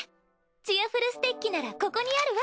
チアふるステッキならここにあるわ。